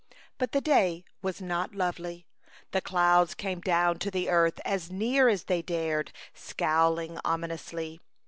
But the day was not lovely. The clouds came down to the earth as near as they dared, scowling omi nously.